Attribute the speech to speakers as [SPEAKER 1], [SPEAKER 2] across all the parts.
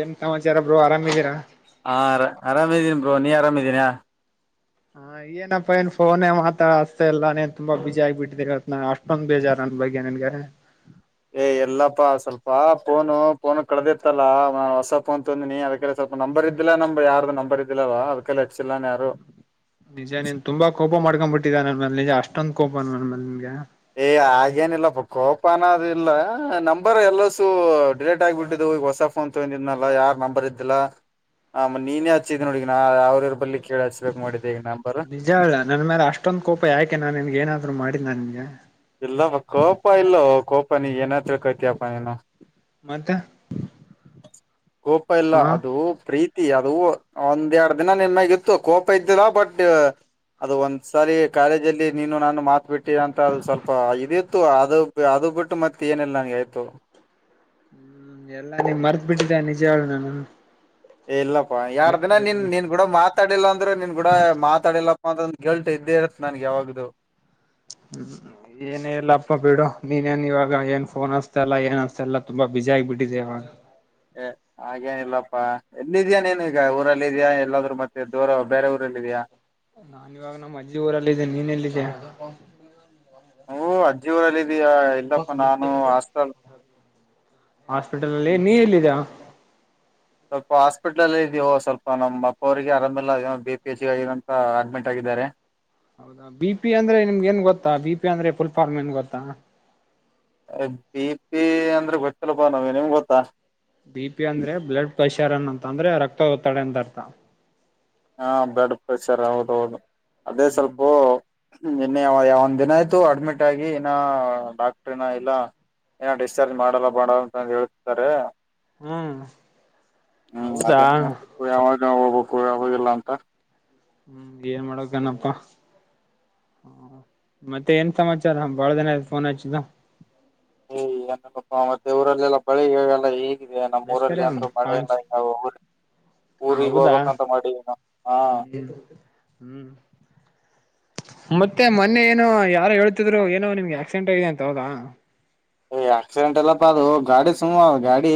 [SPEAKER 1] ಏನ್ ಸಮಾಚಾರ ಬ್ರೋ ಆರಾಮ ಇದೀರಾ.
[SPEAKER 2] ಹಾ ಅರ ಆರಾಮಿದೀನಿ ಬ್ರೋ ನೀ ಆರಾಮ ಇದೀರಾ [unintelligible]
[SPEAKER 1] ಹಾ ಏನಪ್ಪಾ ಎನ್ ಫೋನೆ ಮಾತಾ ಹಸ್ತಾ ಇಲ್ಲ ನಿನ್ ತುಂಬಾ ಬಿಜಿ ಆಗಬಟ್ಟಿದಿರ ನಾ ಅಷ್ಟ್ ಅಸ್ಟೊಂದ ಬೇಜಾರ ನನ್ ಬಗ್ಗೆ ನಿನಿಗೆ.
[SPEAKER 2] ಏ ಇಲ್ಲಪ್ಪಾ ಸ್ವಲ್ಪ ಫೋನು ಪೋ ಕಳದಿತ್ತಲ್ಲ ನ ಹೊಸ ಫೋನ್ ತೊಂದಿನಿ ಅದಕಲೆ ಸ್ವಲ್ಪ ನಂಬರ್ ಇದಿಲ್ಲಾ ನಂಬ್ ಯಾರ್ದು ನಂಬರ್ ಇದಿಲ್ಲಲ ಅದಕಲೆ ಹಚ್ಚಿಲ್ಲಾನ ಯಾರು.
[SPEAKER 1] ನಿಜ ನೀನ್ ತುಂಬಾ ಕೋಪ ಮಾಡ್ಕೊಂಡ್ ಬಿಟ್ಟಿದ್ಯಾ ನನ್ನ ಮೇಲೆ ನಿಜ ಅಷ್ಟೊಂದ್ ಕೋಪ ನಾ ನನ್ನ ಮೇಲೆ ನಿನ್ಗೆ.
[SPEAKER 2] ಏ ಆಗೇನಿಲ್ಲಪ್ಪ ಕೋಪ ಅನೋದ ಇಲ್ಲ ನಂಬರ್ ಎಲ್ಲಸು ಡಿಲೇಟ್ ಆಗ್ಬಿಟ್ಟಿದ್ದು ಈಗ ಹೊಸ ಫೋನ್ ಫೋನ್ ತಗೊಂಡಿದ್ನಲ್ಲ ಯಾರ ನಂಬರ್ ಇದ್ದಿಲ್ಲಾ ಆ ಮ ನೀನೇ ಹಚ್ಚಿದ ನೋಡ ಈಗ ನಾ ಅವ್ರ ಇವರ್ ಬಲ್ಲಿ. ಕೇಳ ಹಚ್ಚಬೇಕ ಮಾಡಿದ್ದೆ ಈ ನಂಬರು.
[SPEAKER 1] ಹೇಳ ನನ್ ಮೇಲ ಅಷ್ಟ ಅಷ್ಟೊಂದ ಕೋಪ ಯಾಕೆ ನಾ ನಿನ್ಗೆ ಏನಾದ್ರು ಮಾಡಿದ್ನ ನಿನ್ಗೆ.
[SPEAKER 2] ಇಲ್ಲವ ಕೋಪ ಇಲ್ಲೋ ಕೋಪ ನೀ ಏನ ಹಚ್ಚಕತ್ಯಪ್ಪ ನೀನು.
[SPEAKER 1] ಮತ್ತ.
[SPEAKER 2] ಕೋಪ ಇಲ್ಲ
[SPEAKER 1] ಹಾ
[SPEAKER 2] ಅದು ಪ್ರೀತಿ. ಪ್ರೀತಿ ಅದು ಒಂದ್ದೇರಡ್ ದಿನ ನಿನ್ನ್ ಮ್ಯಾಗ ಇತ್ತು ಕೋಪ ಇದ್ದಿಲ ಬಟ್. ಅದು ಒಂದ್ ಸಾರಿ ಕಾಲೇಜ್ ಅಲ್ಲಿ ನೀನು ನಾನು ಮಾತ್ ಬಿಟ್ಟಿ ಅಂತ ಅದು ಸ್ವಲ್ಪ ಇದಿತ್ತು ಅದು ಅದು ಬುಟ್ಟು ಮತ್ತ ಏನಿಲ್ಲ ನನ್ಗೆ ಆಯ್ತು
[SPEAKER 1] ಹ್ಮ ಎಲ್ಲ ನೀ ಮರ್ತ್ ಬಿಟ್ಟಿದ್ದ ನಿಜ ಹೇಳ ನಾನು
[SPEAKER 2] ಇಲ್ಲಪ್ಪ ಯಾರ್ ದಿನ ನೀನ್
[SPEAKER 1] ಮರ್ತ್ಬಿಟ್ಟಿದ್ದೀನಿ
[SPEAKER 2] ನಿನ್ ಕೂಡ ಮಾತಾಡಿಲ್ಲ ಅಂದ್ರೆ ನಿನ್ ಕೂಡ ಮಾತಾಡಿಲ್ಲ ಮತ್ತೊಂದು ಗೆಲ್ಟ್ ಇದ್ದೇ ಇರುತ್ತೆ ನನ್ಗೆ ಯಾವಾಗ್ದು
[SPEAKER 1] ಹ್ಮ [inaudible] ಏನೇ ಇಲ್ಲ ಅಪ್ಪ ಬಿಡು ನೀನೆನ್ ಇವಾಗ ಏನ್ ಫೋನ್ ಅಸ್ತಾಲ್ಲ ಏನ್ ಅನ್ಸ್ತಾಲ್ಲ ತುಂಬಾ ಬಿಜಿ ಆಗ್ಬಿಟ್ಟಿದೆ ಇವಾಗ
[SPEAKER 2] ಏ
[SPEAKER 1] ಹ [inaudible]
[SPEAKER 2] ಹಾಗೇನಿಲ್ಲಪ್ಪಾ ಎಲ್ಲಿದ್ಯಾ ನೀನು ಈಗ ಊರಲ್ಲಿ ಇದ್ಯಾ ಎಲ್ಲಾದ್ರು ಮತ್ತೆ ದೂರ ಬೇರೆ ಊರಲ್ಲ ಇದ್ಯಾ
[SPEAKER 1] ನಾನ್ ಇವಾಗ ನಮ್ಮ್ ಅಜ್ಜಿ ಊರಲ್ಲಿದ್ದೇನಿ ನೀನ್ ಎಲ್ಲಿದಿಯಾ
[SPEAKER 2] ಹ್ಮ್ ಅಜ್ಜಿ ಊರಲ್ಲ ಇದೀಯಾ ಇಲ್ಲಪ್ಪಾ ನಾನು ಹಾಸ್ಟೆಲ್
[SPEAKER 1] ಹಾಸ್ಪಿಟಲ್ ನಲ್ಲಿ ನೀ ಎಲ್ಲಿದ್ಯಾ
[SPEAKER 2] ಸ್ವಲ್ಪ ಹಾಸ್ಪಿಟ್ಲ್ ಅಲ್ಲಿ ಇದಿಒ ಸ್ವಲ್ಪ ನಮ್ಮ್ ಅಪ್ಪ ಅವರಿಗೆ ಆರಾಮೆಲ್ಲ ಏನೋ ಬಿ ಪಿ ಎಚ್ಗಂತ ಅಡ್ಮಿಟ್ ಆಗಿದ್ದಾರೆ
[SPEAKER 1] ಹೌದಾ ಬಿ ಪಿ ಅಂದ್ರೆ ನಿಮ್ಗೆ ಏನ್ ಗೊತ್ತ ಬಿ ಪಿ ಅಂದ್ರೆ ಫುಲ್ ಫಾರ್ ಏನ್ ಗೊತ್ತ
[SPEAKER 2] ಅರೆ ಬಿ ಪಿ ಅಂದ್ರೆ ಗೊತ್ತಿಲ್ಲಪಾ ನಾವ ನಿಮ್ಗೆ ಗೊತ್ತಾ
[SPEAKER 1] ಬಿ ಪಿ ಅಂದ್ರೆ ಬ್ಲಡ್ ಪ್ರೆಷರ್ ಅನ್ಂತ ಅಂದ್ರೆ ರಕ್ತದ ಒತ್ತಡ ಅಂತ ಅರ್ಥ
[SPEAKER 2] ಹಾ ಬ್ಲಡ್ ಪ್ರೆಷರ್ ಹೌದ ಹೌದು ಅದೇ
[SPEAKER 1] ಹ್ಮ್
[SPEAKER 2] ಸ್ವಲ್ಪು ಹ್ಮ್ ನ್ನೆ ಯ ಯಾವ ಒಂದ್ ದಿನ ಆಯ್ತು ಅಡ್ಮಿಟ್ ಆಗಿ ಇನ ಡಾಕ್ಟ್ರನ ಇಲ್ಲ ಏನೋ ಡಿಸ್ಚಾರ್ಜ್ ಮಾಡಲ್ಲ ಬೇಡ ಅಂತ ಹೇಳ್ತ್ತಿದ್ದಾರೆ
[SPEAKER 1] ಹ್ಮ್
[SPEAKER 2] ಹ್ಮ್
[SPEAKER 1] ಹೌದಾ
[SPEAKER 2] ಅದೇ [unintelligible] ನೋಡ್ಬೇಕು ಯಾವಾಗ ಹೋಗ್ಬೇಕು ಯಾವಾಗಿಲ್ಲ ಅಂತ
[SPEAKER 1] ಹ್ಮ್ ಏನ್ ಮಾಡಕನಪ್ಪಾ ಮತ್ತೆ ಏನ್ ಸಮಾಚಾರ ಬಾಳ ದಿನ ಆಯ್ತು ಫೋನ್ ಹಚ್ಚಿದ್ದ
[SPEAKER 2] ಏ ಏನಪ್ಪ ಮತ್ತೆ ಊರಲ್ಲೆಲ್ಲಾ ಬಳಿಲ್ಲ ಈಗ [unintelligible] ಇದೆ ನಮ್ಮ್
[SPEAKER 1] ಎಷ್ಟ್ ಕರೆ
[SPEAKER 2] ಊರಲ್ಲಿ ಅಂದ್ರು
[SPEAKER 1] ಅವನು
[SPEAKER 2] ಮಳೆಲ್ಲ
[SPEAKER 1] ಪಾಂಚ್
[SPEAKER 2] [unintelligible] ಈಗ
[SPEAKER 1] ಹ
[SPEAKER 2] ಊರಿಗೆ
[SPEAKER 1] ಹೌದಾ
[SPEAKER 2] ಹೋಗ್ಬೇಕಂತ ಮಾಡಿದ್ದನ [unintelligible] ಹಾ
[SPEAKER 1] ಹ್ಮ್ ಹ್ಮ್ ಮತ್ತೆ ಮೊನ್ನೆ ಏನೋ ಯಾರೋ ಹೇಳ್ತಿದ್ರು ಏನೋ ನಿಮ್ಗೆ ಆಕ್ಸಿಡೆಂಟ್ ಆಗಿದೆ ಅಂತ ಹೌದಾ
[SPEAKER 2] ಏ ಆಕ್ಸಿಡೆಂಟ್ ಎಲ್ಲಪ ಅದು ಗಾಡಿ ಸುಮ್ ಅ ಗಾಡಿ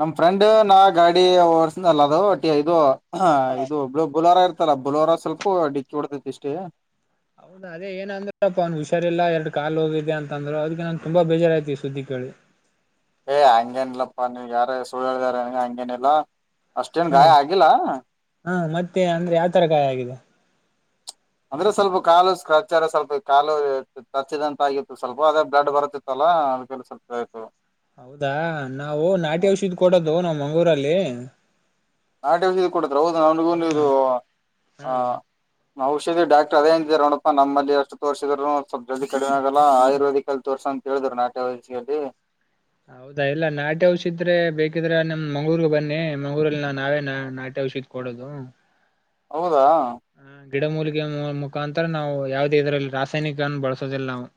[SPEAKER 2] ನಮ್ ಫ್ರೆಂಡ್ ನಾ ಗಾಡಿ ಓರ್ಸ ಅಲ್ಲ ಅದು ಒಟಿ ಇದು ಹಾ ಇದುಳ ಬುಲೋರ ಇರ್ತಲ್ಲ ಬುಲೋರ ಸ್ವಲ್ಪ ಡಿಕ್ಕಿ ಹೋಡ್ತೈತಿ ಇಷ್ಟೇ
[SPEAKER 1] ಹೌದ ಅದೆ ಏ ಅಂದ್ರಪ್ಪ ಅವನ್ ಹುಷಾರಿಲ್ಲ ಎರಡ್ ಕಾ ಹೋಗಿದೆ ಅಂತ ಅಂದ್ರು ಅದ್ಕೆ ನನ್ ತುಂಬಾ ಬೇಜಾರ್ ಆಯ್ತು ಈ ಸುದ್ದಿ ಕೇಳಿ
[SPEAKER 2] ಏ ಹಂಗೇನ ಇಲ್ಲಪ್ಪಾ ನೀವಗೆ ಯಾರ ಸುಳ್ಳು ಹೇಳಿದಾರೆ ನನ್ಗೆ ಹಂಗೇನಿಲ್ಲಾ ಅಷ್ಟೇನ್
[SPEAKER 1] ಹಾ
[SPEAKER 2] ಗಾಯ ಆಗಿಲ್ಲಾ
[SPEAKER 1] ಹಾ ಮತ್ತೆ ಅಂದ್ರೆ ಯಾವ್ ತರ ಗಾಯ ಆಗಿದೆ
[SPEAKER 2] ಅಂದ್ರೆ ಸ್ವಲ್ಪ ಕಾಲು ಸ್ಕ್ರಚ್ರ ಸ್ವಲ್ಪ ಕಾಲು ತಚ್ಚಿದ ಅಂತ ಆಗಿತ್ತು ಸ್ವಲ್ಪ ಅದೇ ಬ್ಲಡ್ ಬರತ್ತಿತ್ತಲ್ಲಾ ಅ ಕೆ ಸ್ವಲ್ಪ ಆ್ತು [unintelligible]
[SPEAKER 1] ಹೌದಾ ನಾವು ನಾಟಿ ಔಷಧಿ ಕೊಡೋದು ನಾವ್ ಮಂಗ್ಗಳೂರಲ್ಲಿ
[SPEAKER 2] ನಾಟಿ ವಿಷದಿ ಕೊಡತ್ರ ಹೌದು ನನಿಗೂ ಇದು ಆ
[SPEAKER 1] ಹ್ಮ್
[SPEAKER 2] ಔಷಧಿ ಡಾಕ್ರ್ ಅದೇ ಇದಿದದ್ದಾರೆ ನೋಣಪ್ಪ ನಮ್ಮಲ್ಲಿ ಅಷ್ಟು ತೋರಿಸಿದ್ರು ಸ್ವಲ್ಪ ಜಲ್ದಿ ಕಡಿಮೆ ಆಗಲ್ಲ ಆಯುರ್ವೇದಿಕ್ ಅಲ್ಲಿ ತೋರ್ಸಂತ ಕೆಳೇಳಿದ್ರು ನಾಟಿ ಔಷಧಿಯಲ್ಲಿ
[SPEAKER 1] ಹೌದಾ ಇಲ್ಲಾ ನಾಟಿ ಔಷಿದ್ರೆ ಬೇಕಿದ್ರೆ ನಮ್ ಮಂಗಳೂರ್ ಬನ್ನಿ ಮಂಗಳೂರಲ್ಲಿ ನಾ ನಾವೇ ನಾಟಿ ಔಷಿದ್ ಕೊಡದು
[SPEAKER 2] ಹೌದಾ
[SPEAKER 1] ಹ್ಮ್ ಗಿಡ ಮೂಲಿಕಯಾ ಮು ಮುಖಾಂತರ ನಾವು ಯಾವುದೇ ಇದ್ರಲ್ಲಿ ರಾಸಾಯನಿಕನ್ನ ಬಳಸೋದಿಲ್ಲ ನಾವು [inaudible]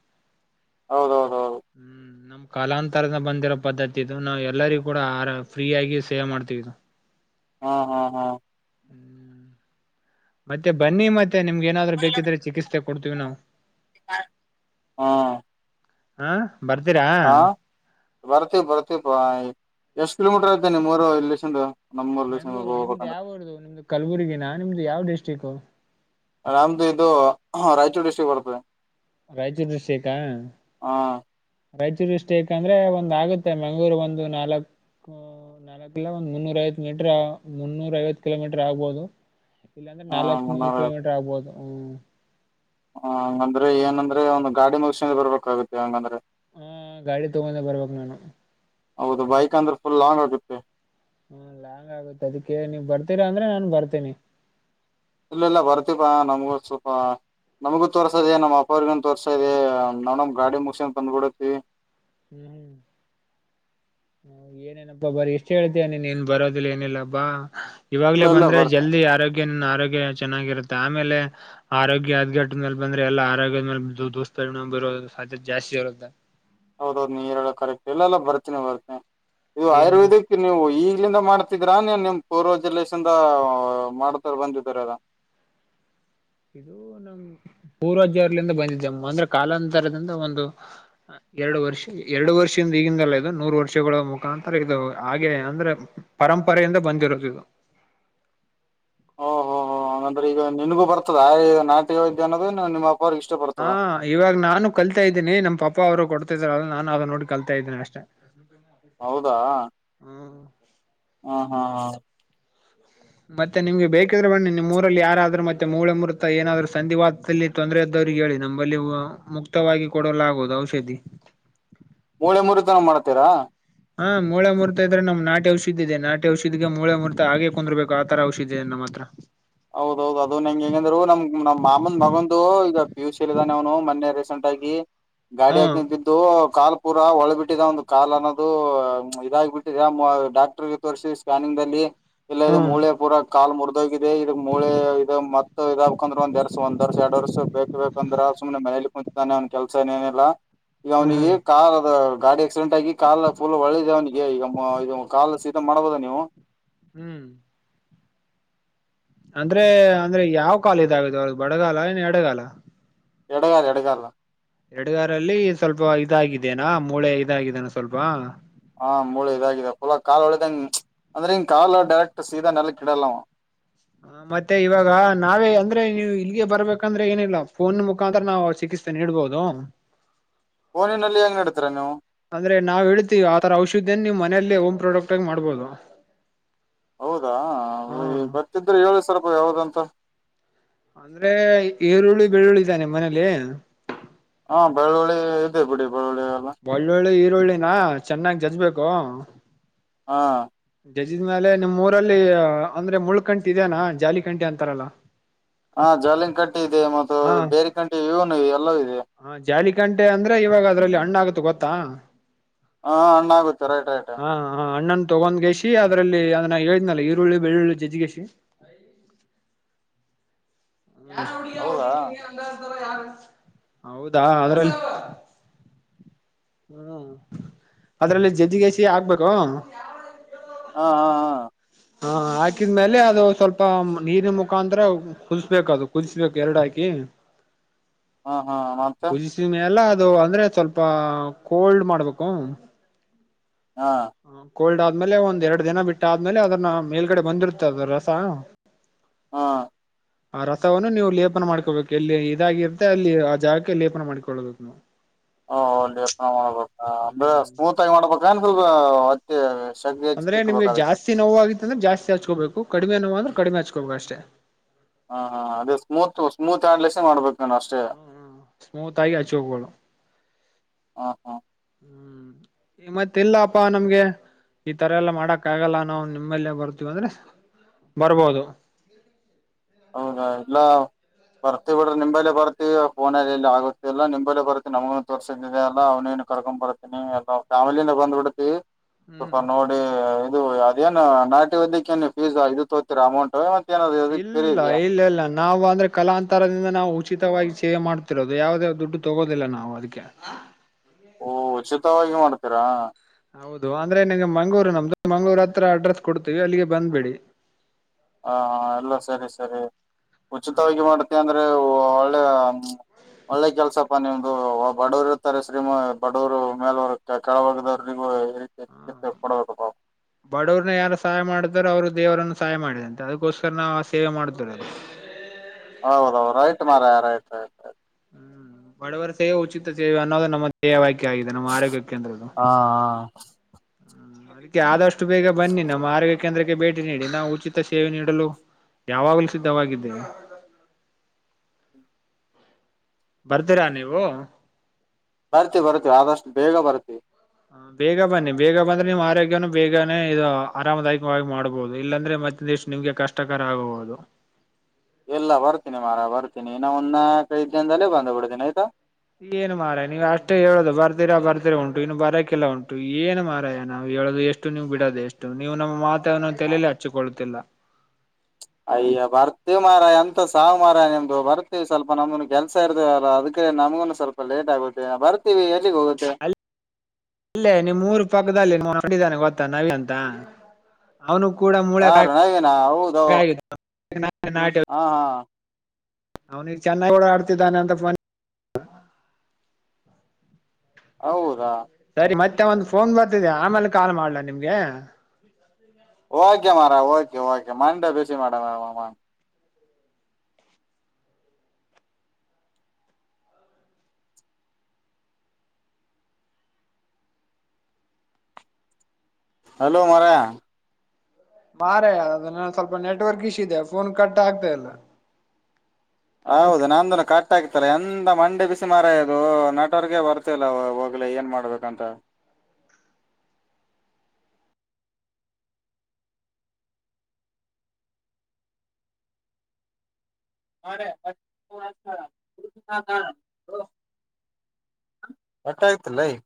[SPEAKER 2] ಹೌದೌದು
[SPEAKER 1] ಹ್ಮ್ ನಮ್ ಕಾಲಾಂತರದ ಬಂದಿರೋ ಪದ್ಧತಿ ಇದು ನಾವವು ಎಲ್ಲರಿ ಕೂಡ ಆ ಫ್ರೀ ಆಗಿ ಸೇವೆ ಮಾಡ್ತೀವಿದು
[SPEAKER 2] ಹ ಹ ಹ
[SPEAKER 1] ಮತ್ತೆ ಬನ್ನಿ ಮತ್ತೆ ನಿಮ್ಗೆ ಏನಾದ್ರು ಬೇಕಿದ್ರೆ ಚಿಕಿಸ್ತೆ ಕೊಡ್ತೀವಿ ನಾವು.
[SPEAKER 2] ಹಾ
[SPEAKER 1] ಹಾ ಬರ್ತೀರಾ.
[SPEAKER 2] ಆ ಬರ್ತೀವಿ ಬರ್ತೀವಿ ಪಾ ಎಷ್ಟು ಕಿಲೋಮೀಟರ್ ಐತೆ ನಿಮ್ಮ ಮೂರು ಇಲ್ಲಿಶಿಂದು.
[SPEAKER 1] ಬೆಂಗೂರು ನಿಮ್ದು ಯಾವುರ್ದು ನಿಮ್ದು ಕಲಬುರಗಿನ ನಿಮ್ದು ಯಾವ ಡಿಸ್ಟ್ರಿಕ್ಕು.
[SPEAKER 2] ನಮ್ದು ಇದು ರಾಯಚೂರು ಡಿಸ್ಟ್ರಿಕ್ ಬರ್ತದೆ.
[SPEAKER 1] ರಾಯಚೂರ ಡಿಸ್ಟ್ರಿಕ್ಕಾ.
[SPEAKER 2] ಹಾ
[SPEAKER 1] ರಾಯಚೂರ ಡಿಸ್ಟ್ರಿಕ್ಕ್ ಅಂದ್ರೆ ಒಂದ್ ಆಗುತ್ತೆ ಮಂಗಳೂರು ಒಂದು ನಾಲ್ಕು ಅ ನಾಲಕ್ಕಿಲ್ಲ ಒಂದ್ ಮುನ್ನೂರ ಐವತ್ ಮೀಟರ್ ಮುನ್ನೂರ ಐವತ್ತು ಕಿಲೋಮೀಟರ್ ಆಗ್ಬಹುದು. ಇಲ್ಲಂದ್ರ
[SPEAKER 2] ಹಾ
[SPEAKER 1] ನಾಲಕ್ ನೂರು
[SPEAKER 2] ಮುನ್ನೂರ
[SPEAKER 1] ಕಿಲೋಮೀಟರ್ ಆಗ್ಬಹುದು ಹ್ಮ್.
[SPEAKER 2] ಹ ಹಂಗಂದ್ರೆ ಏನಂದ್ರೆ ಒಂದು ಗಾಡಿ ಮುಗಸಿನ ಬರ್ಬೇಕಾಗುತ್ತೆ ಹಂಗಂದ್ರೆ.
[SPEAKER 1] ಹ್ಮ್ ಗಾಡಿ ತಗೊಂಡೆ ಬರ್ಬೇಕ್ ನೀನು.
[SPEAKER 2] ಹೌದು ಬೈಕ್ ಅಂದ್ರೆ ಫುಲ್ ಲಾಂಗ್ ಆಗುತ್ತೆ.
[SPEAKER 1] ಹ್ಮ್ ಲಾಂಗ್ ಆಗುತ್ತೆ ಅದಕ್ಕೆ ನೀವು ಬರ್ತೀರಾ ಅಂದ್ರೆ ನಾನ್ ಬರ್ತೇನಿ.
[SPEAKER 2] ಇಲ್ಲ ಇಲ್ಲ ಬರ್ತಿಪಾ ನಮ್ಗೂ ಸ್ವಲ್ಪಾ. ನಮಗ ತೋರ್ಸಾದೆ, ನಮ್ಮ ಅಪ್ಪ ಅವರಗೊಂದ್ ತೋರ್ಸಾದೆ ನೋಡಮ್ ಗಾಡಿ ಮುಗಸಂದ್ ಬಂದ್ ಬಿಡತ್ತಿವಿ.
[SPEAKER 1] ಹ್ಮ್ ಹ್ಮ್ ಹ ಏನೇನಪ್ಪಾ ಬರೀ ಇಷ್ಟೇಳ್ತಿಯ ನೀನ್ ಏನ್ ಬರೋದಿಲ್ಲ ಏನಿಲ್ಲಾ ಬಾ.
[SPEAKER 2] ಇಲ್ಲ
[SPEAKER 1] ಇವಾಗ್ಲೇ
[SPEAKER 2] ಇಲ್ಲ
[SPEAKER 1] ಬಂದ್ರೆ
[SPEAKER 2] ಬರ್ತ
[SPEAKER 1] ಜಲ್ದಿ ಆರೋಗ್ಯ ನಿನ್ ಆರೋಗ್ಯ ಚೆನ್ನಾಗಿರುತ್ತೆ ಆಮೇಲೆ ಆರೋಗ್ಯ ಹದ್ಗೆಟ್ ಮೇಲ್ ಬಂದ್ರೆ ಎಲ್ಲ ಆರೋಗ್ಯದ ಮೇಲೆ ದು ದುಷ್ಪರಿಣಾಮ ಬೀರೋದು ಸಾಧ್ಯತೆ ಜಾಸ್ತಿ ಇರುತ್ತೆ.
[SPEAKER 2] ಹೌದೌದ್ ನೀ ಹೇಳದ ಕರೆಕ್ಟ್ ಇಲ್ಲಲ್ಲಾ ಬರ್ತಿನಿ ಬರ್ತಿನಿ ಇದು
[SPEAKER 1] ಏನ್
[SPEAKER 2] ಆಯುರ್ವೇದಿಕ್ ನೀವು ಈಗ್ಲಿಂದ ಮಾಡ್ತಿದ್ರಾ ನೀನ್ ನಿಮ್ ಪೂರ್ವಜರ್ಲೇಶಿಂದ್ರ ಮಾಡ್ತಾರ ಬಂದಿದ್ರ ಅದ.
[SPEAKER 1] ಇದು ನಮ್ ಪೂರ್ವಜರ್ಲಿಂದ ಬಂದಿದೆ ಅಂದ್ರೆ ಕಾಲಾಂತರದಿಂದ ಒಂದು ಎರಡು ವರ್ಷ ಎರಡು ವರ್ಷಿಂದ ಈಗಿಂದಲ್ಲ ಇದು ನೂರ್ ವರ್ಷಗಳ ಮುಖಾಂತರ ಇದು ಹಾಗೆ ಅಂದ್ರೆ ಪರಂಪರೆಯಿಂದ ಬಂದಿರೋದು ಇದು.
[SPEAKER 2] ಓ ಹೊ ಹ್ ಹಾಗಂದ್ರೆ ಈಗ ನಿನ್ಗೂ ಬರ್ತದ ಈ ನಾಟಿ ವೈದ್ಯ ಅನ್ನೋದು ಏನ ನಿಮ್ಮ ಅವ್ರಿಗ್ ಇಷ್ಟ ಬರ
[SPEAKER 1] ಹಾ ಇವಾಗ ನಾನು ಕಲ್ತಾ ಇದ್ದೀನಿ ನಮ್ಮ ಪಪಾ ಅವರು ಕೊಡ್ತಿದ್ರ ಅ ನಾನು ಅದನ್ನ ನೋಡಿ ಕಲ್ತಾ ಇದ್ದೀನಿ ಅಷ್ಟೇ.
[SPEAKER 2] ಹೌದಾ
[SPEAKER 1] ಹ್ಮ
[SPEAKER 2] ಹ ಹಾ ಹಾ
[SPEAKER 1] ಮತ್ತೆ ನಿಮ್ಗೆ ಬೇಕಿದ್ರೆ ಬನ್ನಿ ನಿಮ್ಮೂರಲ್ಲಿ ಯಾರಾದ್ರು ಮತ್ತೆ ಮೂಳೆಮುರುತ ಏನಾದ್ರು ಸಂಧಿವಾತದಲ್ಲಿ ತೊಂದ್ರೆ ಇದ್ದವ್ರಿಗೆ ಹೇಳಿ ನಂಬಲ್ಲಿ ಮುಕ್ತವಾಗಿ ಕೊಡಲು ಆಗುವುದು ಔಷಧಿ.
[SPEAKER 2] ಮೂಳೆ ಮುರಿತ ಮಾಡ್ತೀರಾ.
[SPEAKER 1] ಹಾ ಮೂಳೆ ಮುರುತ ಇದ್ರೆ ನಮ್ ನಾಟಿ ಔಷಧಿದೆ ನಾಟಿ ಔಷಧಿಗೆ ಮೂಳೆ ಮೂರ್ತ ಹಾಗೆ ಕುಂದರ್ಬೇಕು ಆತರ ಔಷಧಿ ಇದೆ ನಮ್ಮ ಹತ್ರ.
[SPEAKER 2] ಹೌದೌದ್ ಅದು ನಂ ಹೆಂಗಂದ್ರು ನಮ್ ನಮ್ ಮಾಮಂದ ಮಗಂದು ಈಗ ಪಿಯೂಸಿಯಲ್ಲಿದ್ದಾನೆ ಅವನು ಮೊನ್ನೆ ರೀಸೆಂಟ್ ಆಗಿ ಗಾಡಿ
[SPEAKER 1] ಹಾ
[SPEAKER 2] ಹಾಕಂಡ್ ಬಿದ್ ದು ಕಾಲ್ ಪೂರ ಒಳ ಬಿಟ್ಟಿದೆ ಒಂದು ಕಾಲ್ ಅನ್ನೋದು ಇದಾಗಿಬಟ್ಟಿದೆ ಡಾಕ್ಟರ್ಗೆ ತೋರಿಸಿ ಸ್ಕ್ಯಾನಿಂಗಲ್ಲಿ ಇಲ್ಲ ಇದು
[SPEAKER 1] ಹ್ಮ್ ಹ್ಮ್
[SPEAKER 2] ಮೂಳೆ ಪೂರ ಕಾಲ್ ಮುರಿದೋಗಿದೆ. ಮೂಳೆ ಇದು ಮತ್ತ ಇದ ಆಗಬೇಕಂದ್ರ ಮತ್ತ ಒಂದ್ ವರ್ಷ ಎರಡು ವರ್ಷ ಬೇಕು. ಬಂದ್ರೆ ಸುಮ್ನೆ ಮನೇಲಿ ಕುಂತಿದಾನೆ ಅವ್ನು ಕೆಲಸ ಏನೇನಿಲ್ಲ ಈಗ ಅವನಿಗೆ
[SPEAKER 1] ಹ್ಮ್
[SPEAKER 2] ಕಾರ್ ಅದ ಗಾಡಿ ಆಕ್ಸಿಡೆಂಟ್ ಆಗಿ ಕಾಲ ಫುಲ್ ಒಳ್ಳಿದೆ ಅವನಿಗೆ ಈಗ ಇದು ಕಾಲ್ ಶೀದ ಮಾಡ್ಬಹದ ನೀವು.
[SPEAKER 1] ಹ್ಮ್ ಅಂದ್ರೆ ಅಂದ್ರೆ ಯಾವ್ ಕಾಲ ಇದಾಗಿದೆ ಅವ್ರ್ದು ಬಡಗಾಲ ಇಲ್ಲ ಎಡಗಾಲ.
[SPEAKER 2] ಎಡಗಾಲ ಎಡಗಾಲ್
[SPEAKER 1] ಎಡಗಾರಲ್ಲಿ ಸ್ವಲ್ಪ ಇದಾಗಿದೇನಾ ಮೂಳೆ ಇದಾಗಿದ್ದಾನಾ ಸ್ವಲ್ಪಾ
[SPEAKER 2] ಹಾ ಮೂಳು ಇದಾಗಿದೆ ಫುಲ ಕಾಲ್ ಹೊಳಿದಂಗ ಅಂದ್ರೆ ಹಿಂಗ ಕಾಲ್ ಡೈರೆಕ್ಟ್ ಸೀದಾ ನೆಲ್ಲಕಿಡಲ್ಲವ್
[SPEAKER 1] ಹಾ ಮತ್ತೆ ಇವಾಗ ನಾವೇ ಅಂದ್ರೆ ನೀವು ಇಲ್ಲಿಗೆ ಬರ್ಬೇಕಂದ್ರೆ ಏನಿಲ್ಲಾ ಫೋನ್ ಮುಖಾಂತರಾ ನಾವು ಚಿಕಿತ್ಸೆ ನೀಡಡ್ಬೋದು
[SPEAKER 2] ಫೋನಿನಲ್ಲಿ ಹೆಂಗ ನಿಡತೀರಾ ನೀವು
[SPEAKER 1] ಅಂದ್ರೆ ನಾವ್ ಹೇಳ್ತಿವಿ ಆ ತರಾ ಔಷಧಿಯನ್ ನೀವು ಮನೆಲ್ಲೇ ಓಮ್ ಪ್ರಾಡಕ್ಟ್ ಆಗಿ ಮಾಡಬಹದು
[SPEAKER 2] ಹೌದಾ ಬರ್ತಿದ್ರೆ ಹೇಳಿ ಸ್ವಲ್ಪ ಯಾವದಂತಾ
[SPEAKER 1] ಅಂದ್ರೆ ಈರುಳ್ಳಿ ಬೆಳ್ಳುಳ್ಳಿದಾನೆ ಮನೇಲಿ
[SPEAKER 2] ಹಾ ಬೆಳ್ಳುಳ್ಳಿ ಇದೆ ಬಿಡಿ ಬೆಳ್ಳುಳ್ಳಿ ಎಲ್ಲಾ
[SPEAKER 1] ಬಳ್ಳೋಳ್ಳಿ ಈರುಳ್ಳಿನ ಚೆನ್ನಾಗ್ ಜಜ್ಬೇಕು
[SPEAKER 2] ಹಾ
[SPEAKER 1] ಜಜಿದ್ ಮೇಲೆ ನಿಮ್ ಊರಲ್ಲಿ ಅಂದ್ರೆ ಮುಳ್ಕಂಟಿ ಇದೇನಾ ಜಾಲಿಕಂಠಿ ಅಂತಾರಲ್ಲಾ [inaudible]
[SPEAKER 2] ಹಾ ಜಾಲಿನ್ ಕಟ್ಟಿ ಇದೆ ಮತ್ತು ಬೇರೆ ಕಂಟಿ ಇವನು ಇದೆ ಎಲ್ಲೂ ಇವೇ
[SPEAKER 1] ಹ ಜಾಲಿಕಂಟೆ ಅಂದ್ರೆ ಇವಾಗ ಅದ್ರಲ್ಲಿ ಹಣ್ಣ ಆಗತ್ ಗೊತ್ತಾ
[SPEAKER 2] ಹಾ ಹಣ್ಣ್ ಆಗುತ್ತೆ ರೈಟ್ ರೈಟ್
[SPEAKER 1] ಹಾ ಹ ಹಣ್ಣನ್ ತಗೊಂಡ್ ಕೆಸಿ ಅದ್ರಲ್ಲಿ ಅದನ್ನ ಹೇಳಿದ್ದನ್ನೆಲ್ಲಾ ಈರುಳ್ಳಿ ಬೆಳ್ಳುಳ್ಳಿ ಜಜ್ಜಿ ಕೇಸಿ [unintelligible] [unintelligible]
[SPEAKER 2] ಹೌದಾ
[SPEAKER 1] ಹೌದಾ ಅದ್ರಲ್ಲಿ ಹುಂ ಅದ್ರಲ್ಲಿ ಜಜ್ಜಿ ಕೇಸಿ ಹಾಕ್ಬೇಕು
[SPEAKER 2] ಹಾ ಹಾ ಹಾ
[SPEAKER 1] ಹಾ ಹಾಕಿದ್ಮೇಲೆ ಅದು ಸ್ವಲ್ಪ ನೀರಿನ ಮುಖಾಂತರಾ ಕುದಸ್ಬೇಕ ಅದು ಕುದಿಸಬೇಕು ಎರಡು ಹಾಕಿ
[SPEAKER 2] ಹಾ ಹಾ ಮತ್ತೆ
[SPEAKER 1] ಮ್ ಎಲ್ಲಾ ಅದು ಅಂದ್ರೆ ಸ್ವಲ್ಪ ಕೋಲ್ಡ್ ಮಾಡ್ಬೇಕು
[SPEAKER 2] ಹಾ
[SPEAKER 1] ಕೋಲ್ಡ್ ಆದ್ಮೇಲೆ ಒಂದ್ ಎರಡ್ ದಿನ ಬಿಟ್ಟ ಆದ್ಮೇಲೆ ಅದನ್ನ ಮೇಲ್ಗಡೆ ಬಂದಿರುತ್ತದ ರಸಾ [inaudible]
[SPEAKER 2] ಹಾ
[SPEAKER 1] ಹ ಆ ರಸಾವನ್ನು ನೀವು ಲೇಪನ ಮಾಡ್ಕೊಬೇಕು ಎಲ್ಲಿ ಇದಾಗಿರುತ್ತೆ ಅಲ್ಲಿ ಆ ಜಾಗಕ್ಕೆ ಲೇಪನ ಮಾಡ್ಕೊಳ್ಳಬೇಕು ನಾವು
[SPEAKER 2] ಹ ಲೇಪನಾ ಮಾಡ್ಬೇಕ ಅ
[SPEAKER 1] ಹ್ಮ್
[SPEAKER 2] ಸ್ಮೂತ್ ಆಗಿ ಮಾಡ್ಬೇಕೇನ್
[SPEAKER 1] ಅಂದ್ರೆ ನಿಮಗೆ ಜಾಸ್ತಿ ನೋವು ಆಗಿತ್ತಂದ್ರೆ ಜಾಸ್ತಿ ಹಚ್ಕೋಬೇಕು ಕಡಿಮೆ ನೋವು ಅಂದ್ರೆ ಕಡಿಮೆ ಹಚ್ಕೋಬೇಕ ಅಷ್ಟೇ
[SPEAKER 2] ಹಾ ಹಾ ಅದೇ ಸ್ಮೂತ್ ಸ್ಮೂತ್ ಆಡ್ಲೆಸೇ ಮಾಡ್ಬೇಕು ಎನ ಅಷ್ಟೇ
[SPEAKER 1] ಹ್ಮ್ ಸ್ಮೂತ್ ಆಗಿ ಅಚೋಕೋ ಹೋಗ
[SPEAKER 2] ಹಾ ಹಾ
[SPEAKER 1] ಹುಂ ಮತ್ತೆ ಇಲ್ಲಾಪಾ ನಮ್ಗೆ ಈ ತರಾ ಎಲ್ಲಾ ಮಾಡಕ್ ಆಗಲ್ಲಾ ನಾವು ನಿಮ್ಮೇಲ್ಲೆ ಬರ್ತೀವ ಅಂದ್ರೆ ಬರಬಹುದು
[SPEAKER 2] ಹೌದಾ ಇಲ್ಲಾ ಬರ್ತಿ ಬಿಡ್ರೆ ನಿಂಬೇ ಬರ್ತಿವಿ ಫೋನಲ್ಲಿ ಎಲ್ಲಿ ಆಗುತ್ತಿಲ್ಲಾ ನಿಂಬಲ್ಲೇ ಬರ್ತಿ ನಮಗು ತೋರಿಸಿದ ಅಲ್ಲಾ ಅವ್ನೇನು ಕರ್ಕೊಂಡ್ ಬರ್ತೀನಿ ಎಲ್ಲಾ ಫ್ಯಾಮಿಲಿನ್ ಬಂದ್ ಬಿಡತಿವಿ ಸ್ವಲ್ಪ
[SPEAKER 1] ಹ್ಮ್
[SPEAKER 2] ನೋಡಿ ಇದು ಅದೇನ್ ನಾಟಿ ವೈದ್ಯಕ್ಕ ಏನ್ ಫೀಸ್ ಇದು ತೋತೀರಾ ಅಮೌಂಟ್ ಮ ಏನದು ಅದು [unintelligible]
[SPEAKER 1] ಇಲ್ಲೆ ಇಲ್ಲಾ ನಾವು ಅಂದ್ರೆ ಕಲಾಂತರದಿಂದ ನಾವು ಉಚಿತವಾಗಿ ಸೇವೆ ಮಾಡ್ತಿರೋದು ಯಾವವುದೇವ ದುಡ್ಡು ತಗೋದಿಲ್ಲಾ ನಾವು ಅದಕ್ಕೆ ಕ [unintelligible]
[SPEAKER 2] ಓ ಉಚಿತವಾಗಿ ಮಾಡ್ತೀರಾ
[SPEAKER 1] ಹೌದು ಅಂದ್ರೆ ನಿಂಗೆ ಮಂಗಳೂರು ನಮ್ದು ಮಂಗೂರ್ ಹತ್ರ ಅಡ್ರೆಸ್ ಕೊಡ್ತೀವಿ ಅಲ್ಲಿಗೆ ಬಂದ್ಬೇಡಿ
[SPEAKER 2] ಹ ಎಲ್ಲ ಸರಿ ಸರಿ
[SPEAKER 1] ಹ
[SPEAKER 2] ಉಚಿತವಾಗಿ ಮಾಡತಿ ಅಂದ್ರೆ ಒಳ್ಳೆ ಹ್ಮ ಒಳ್ಳೆ ಕೆಲ್ಸ ಪ್ಪ ನಿಮ್ದು ಬಡವರು ಇರ್ತಾರೆ ಶ್ರೀಮ ಬಡವರು ಮೇಲವರು ಕೆಳವಗದವ್ರಿಗೂ
[SPEAKER 1] ಹ
[SPEAKER 2] ಚ [unintelligible]
[SPEAKER 1] ಬಡವ್ರನ್ನ ಯಾರು ಸಹಾಯ ಮಾಡತಾರೋ ಅವ್ರು ದೇವರನ್ನ ಸಹಾಯ ಮಾಡಿದ ಅಂತೆ ಅದಕ್ಕೋಸ್ರ ನಾವು ಆ ಸೇವೆ ಮಾಡತವೇ ಹ [unintelligible]
[SPEAKER 2] ಹೌದೌಹೌದ ರೈಟ್ ಮಾರಯ ರೈಟ್
[SPEAKER 1] ಹ್ಮ್ ಬಡವರ ಸೇವೆ ಉಚಿತ ಸೇವೆ ಅನ್ನೋದು ನಮ್ಮ ದೇಹ ವಾಕ್ಯ ಆಗಿದೆ ನಮ್ಮ ಆರೋಗ್ಯ ಕೇಂದ್ರದು
[SPEAKER 2] ಹಾ ಹಾ
[SPEAKER 1] ಅದಕ್ಕೆ ಆದಷ್ಟು ಬೇಗ ಬನ್ನಿ ನಮ್ಮ ಆರೋಗ್ಯಕ್ಕೆ ಕೇಂದ್ರಕ್ಕೆ ಭೇಟಿ ನೀಡಿ ನಾವು ಉಚಿತ ಸೇವೆ ನೀಡಲು ಯಾವಾಗಲೂ ಸಿದ್ಧವಾಗಿದ್ದೇವೆ ಬರ್ತೀರಾ ನೀವು
[SPEAKER 2] ಬರ್ತೀವಿ ಬರ್ತೀವಿ ಆದಷ್ಟು ಬೇಗ ಬರ್ತೀವಿ
[SPEAKER 1] ಬೇಗ ಬನ್ನಿ ಬೇಗ ಬಂದ್ರೆ ನಿಮ್ಮ್ ಆರೋಗ್ಯನು ಬೇಗನೆ ಇದು ಆರಾಮದಾಯಕವಾಗಿ ಮಾಡ್ಬಹುದು ಇಲ್ಲಾಂದ್ರೆ ಮತ್ತ ಎಷ್ಟ ನಿಮ್ಗೆ ಕಷ್ಟಕರ ಆಗಬಹುದು
[SPEAKER 2] ಇಲ್ಲ ಬರ್ತನಿ ಮಾರಯ ಬರ್ತೀನಿ ಇನ್ನು ಒಂದನಾಕ್ ಕೈದ ದಿನದಲೇ ಬಂದುಬಿಡ್ತಿನಿ ಆಯ್ತಾ
[SPEAKER 1] ಏನ್ ಮಾರಾಯ ನೀವು ಅಷ್ಟೇ ಹೇಳೋದು ಬರ್ತೀರಾ ಬರ್ತಿರಾ ಉಂಟು ಇನ್ನು ಬರಕಿಲ್ಲ ಉಂಟು ಏನ್ ಮಾರಾಯ ನಾವು ಹೇಳೋದು ಎಷ್ಟು ಎಷ್ಟು ನೀವು ಬಿಡದ ಎಷ್ಟು ನೀವು ನಮ್ಮ ಮಾತನ್ನ ತಲಿಲಿ ಹಚ್ಚಿಕೊಳ್ಳುತ್ತಿಲ್ಲ
[SPEAKER 2] ಅಯ್ಯ ಬರ್ತೇವಿ ಮಾರಾಯ ಎಂತ ಸಾವು ಮಾರಾಯ ನಿಮ್ದು ಬರ್ತೇವಿ ಸ್ವಲ್ಪ ನಮ್ದುನು ಕೆಲ್ಸ ಇರ್ದೆವಲ್ಲ ಅದಕ್ಕೆ ನಮ್ಮನು ಸ್ವಲ್ಪ ಲೇಟ್ ಆಗುತ್ತೆ ಬರ್ತೀವಿ ಎಲ್ಲಿಗೆ ಹೋಗೆ
[SPEAKER 1] ಅ ಅಲ್ಲೇ ನಿಮ್ ಮೂರು ಪಕ್ಕದಲ್ಲಿ ನೋಡಿದಾನೆ ಗೊತ್ತಾ ನವಿನ ಅಂತ ಅವನು ಕೂಡ ಮೂಳೆ
[SPEAKER 2] ಯಾರು ನವೀನಾ ಹೌದು
[SPEAKER 1] [unintelligible]
[SPEAKER 2] ಹಾ ಹಾ
[SPEAKER 1] ಅವ್ನಿಗೆ ಚೆನ್ನಾಗ ಓಡಾಡ್ತಿದ್ದಾನೆ ಅಂತ [unintelligible]
[SPEAKER 2] ಹೌದಾ
[SPEAKER 1] ಸರಿ ಮತ್ತೆ ಒಂದ್ ಫೋನ್ ಬರ್ತಿದೆ ಆಮೇಲೆ ಕಾಲ್ ಮಾಡ್ಲ ನಿಮ್ಗೆ ಹ [unintelligible]
[SPEAKER 2] ಓಕೆ ಮಾರಯ ಓಕೆ ಓಕೆ ಮಂಡೆ ಬಿಸಿ ಮಾಡಮ [unintelligible] ಹಲೋ ಮಾರಾಯ
[SPEAKER 1] ಮಾರಾಯ ಅದನ್ನ ಸ್ವಲ್ಪ ನೆಟ್ವರ್ಕ್ ಇಶ ಇದೆ ಫೋನ್ ಕಟ್ ಆಗ್ತಾ ಇಲ್ಲ
[SPEAKER 2] ಹೌದು ನಂದನು ಕಟ್ ಆಗ್ತಲ್ಲ ಎಂತ ಮಂಡೆ ಬಿಸಿ ಮಾರಯ ಇದು ನೆಟ್ವರ್ಕ್ ಬರ್ತ [unintelligible] ಹೋಗ್ಲಿ ಏನ್ ಮಾಡ್ಬೇಕಂತ ಅ [unintelligible] ಮಕ್ಕ ಆಯ್ತಲ್ಲ [unintelligible]